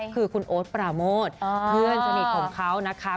คือคุณโอ๊ตปราโมทเพื่อนสนิทของเขานะคะ